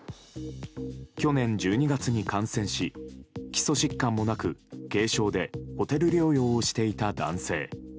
去年１２月に感染し基礎疾患もなく軽症でホテル療養をしていた男性。